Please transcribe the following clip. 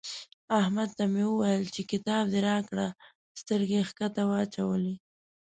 احمد ته مې وويل چې کتاب دې راکړه؛ سترګې يې کښته واچولې.